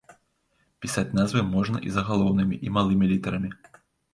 Пісаць назвы можна і загалоўнымі, і малымі літарамі.